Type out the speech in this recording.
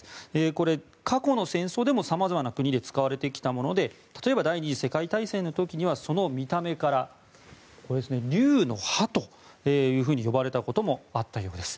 これ、過去の戦争でもさまざまな国で使われてきたもので例えば第２次世界大戦ではその見た目から竜の歯と呼ばれたこともあったようです。